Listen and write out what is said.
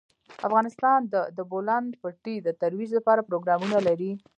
افغانستان د د بولان پټي د ترویج لپاره پروګرامونه لري.